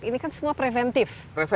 ini kan semua preventif